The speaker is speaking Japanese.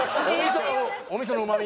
「お味噌のうまみ」